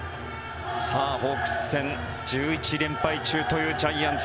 ホークス戦１１連敗中というジャイアンツ。